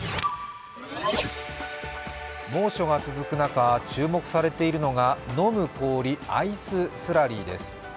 猛暑が続く中、注目されているのが飲む氷・アイススラリーです。